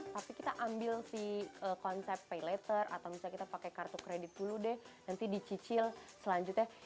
tapi kita ambil si konsep pay later atau misalnya kita pakai kartu kredit dulu deh nanti dicicil selanjutnya